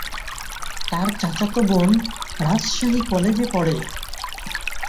তার চাচাতো বোন রাজশাহী কলেজে পড়ে।